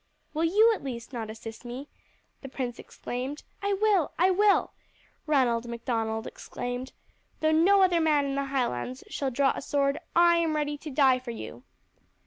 "Will you at least not assist me?" the prince exclaimed. "I will, I will!" Ranald Macdonald exclaimed. "Though no other man in the Highlands shall draw a sword, I am ready to die for you."